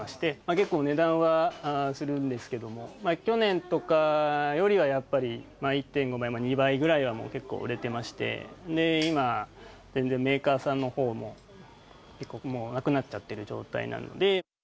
結構値段はするんですけれども、去年とかよりはやっぱり１．５倍、２倍ぐらいはもう結構売れてまして、今、全然メーカーさんのほうも結構なくなっちゃってる状態なので。